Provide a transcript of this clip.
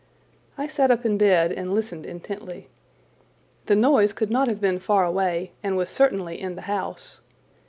I sat up in bed and listened intently. The noise could not have been far away and was certainly in the house.